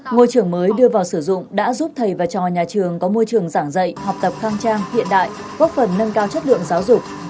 ngôi trường mới đưa vào sử dụng đã giúp thầy và trò nhà trường có môi trường giảng dạy học tập khang trang hiện đại góp phần nâng cao chất lượng giáo dục